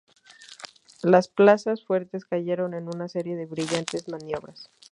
Las plazas fuertes cayeron en una serie de brillantes maniobras.